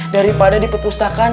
daripada di pepustakaan